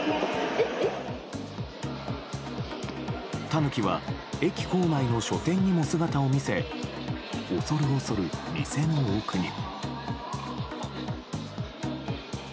タヌキは駅構内の書店にも姿を見せ恐る恐る、店の奥に。